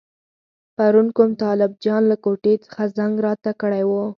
پرون کوم طالب جان له کوټې څخه زنګ راته کړی وو.